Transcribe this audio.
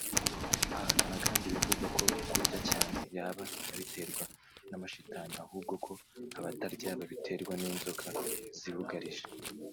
Ahakana kandi ibivugwa ko kurya cyane yaba abiterwa n’amashitani ahubwo ko abatarya babiterwa n’inzoka zibugarije